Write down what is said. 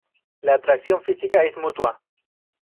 La atracción física es mutua.